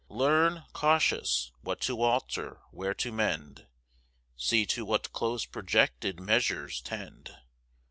Learn, cautious, what to alter, where to mend; See to what close projected measures tend.